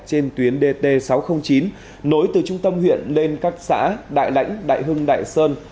trên tuyến dt sáu trăm linh chín nối từ trung tâm huyện lên các xã đại lãnh đại hưng đại sơn